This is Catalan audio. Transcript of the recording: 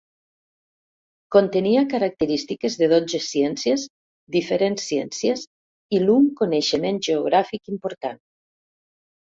Contenia característiques de dotze ciències diferents ciències i l'un coneixement geogràfic important.